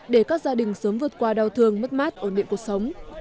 để các gia đình sớm vượt qua đau thương mất mát ổn định cuộc sống